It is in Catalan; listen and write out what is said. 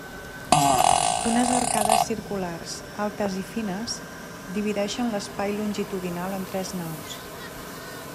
Unes arcades circulars, altes i fines, divideixen l'espai longitudinal en tres naus.